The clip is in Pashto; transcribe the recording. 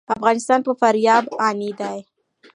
افغانستان په فاریاب غني دی.